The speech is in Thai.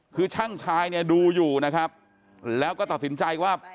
คือช่างชายเนี่ยดูอยู่นะครับแล้วก็ตัดสินใจว่า